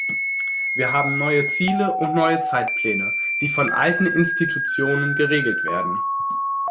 Wir haben neue Ziele und neue Zeitpläne, die von alten Institutionen geregelt werden.